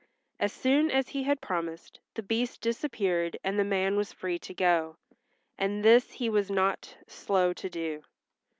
As soon as he had promised the Beast disappeared and the man was free to go, and this he was not slow to do.